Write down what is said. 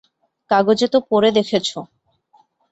কাগজে তো পড়ে দেখেছ।